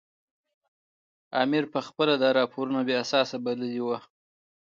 امیر پخپله دا راپورونه بې اساسه بللي وو.